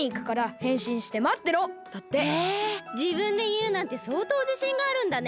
へえじぶんでいうなんてそうとうじしんがあるんだね。